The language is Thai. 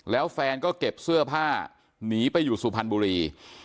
แล้วแฟนก็เก็บเสื้อผ้าหนีไปอยู่สุพรรณบุรี